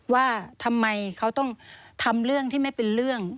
ว่าทำไมเขาต้องทำเรื่องที่ไม่เป็นเรื่อง